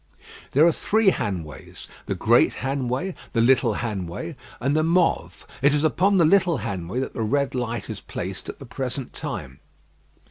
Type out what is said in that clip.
There are three Hanways: the Great Hanway, the Little Hanway, and the Mauve. It is upon the Little Hanway that the red light is placed at the present time.